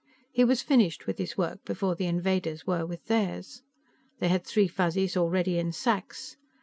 He was finished with his work before the invaders were with theirs. They had three Fuzzies already in sacks.